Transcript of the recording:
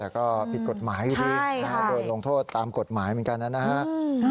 แต่ก็ผิดกฎหมายอยู่ดีโดนลงโทษตามกฎหมายเหมือนกันนะฮะ